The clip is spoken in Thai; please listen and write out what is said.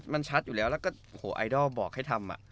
มันชัดอยู่แล้วแล้วก็โหไอดอลบอกให้ทำ